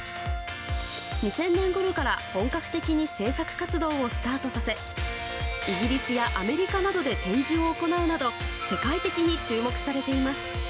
２０００年ごろから本格的に制作活動をスタートさせイギリスやアメリカなどで展示を行うなど世界的に注目されています。